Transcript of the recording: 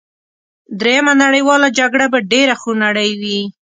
دریمه نړیواله جګړه به ډېره خونړۍ وي